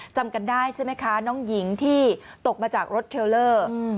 จำกันได้ใช่ไหมคะน้องหญิงที่ตกมาจากรถเทลเลอร์